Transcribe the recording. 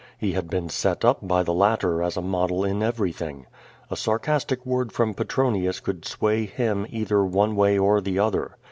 He had been set u}) by tlie hitter as a model in everything. A sarcastic word from Petronius could sway him eitlier one way or the other.